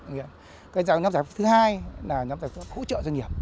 nhóm giải pháp thứ hai là nhóm giải pháp hỗ trợ doanh nghiệp